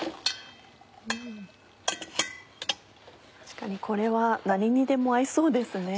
確かにこれは何にでも合いそうですね。